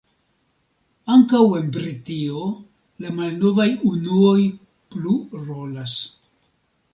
Ankaŭ en Britio la malnovaj unuoj plu rolas.